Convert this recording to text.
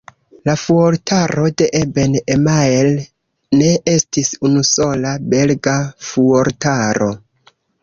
La fuortaro de Eben-Emael ne estis unusola belga fuortaro.